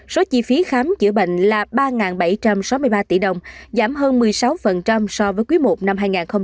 số chi phí khám chữa bệnh là ba bảy trăm sáu mươi ba tỷ đồng giảm hơn một mươi sáu so với quý i năm hai nghìn hai mươi ba